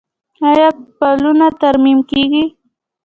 آیا پلونه ترمیم کیږي؟